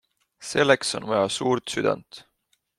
Selleks on vaja suurt südant.